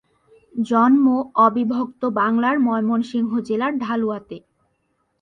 জন্ম অবিভক্ত বাংলার ময়মনসিংহ জেলার ঢালুয়াতে।